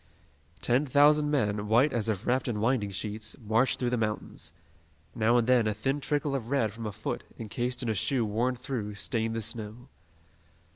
Ten thousand men, white as if wrapped in winding sheets, marched through the mountains. Now and then, a thin trickle of red from a foot, encased in a shoe worn through, stained the snow.